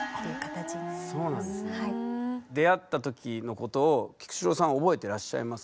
出会ったときのことを菊紫郎さんは覚えてらっしゃいますか？